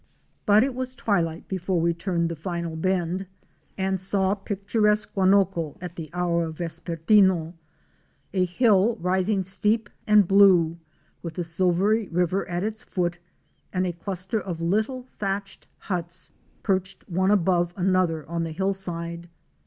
But it was twilight before we turned the final bend and saw picturesque Guanoco at the hour of vespertino — a hill rising steep and blue, with the silvery river at its foot and a cluster of little thatched huts perched one above another on the hillside.